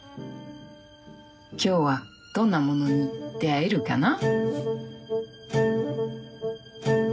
今日はどんなものに出会えるかな。